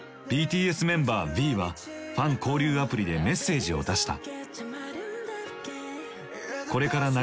ＢＴＳメンバーＶはファン交流アプリでメッセージを出した。